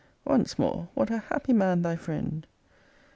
Once more, what a happy man thy friend!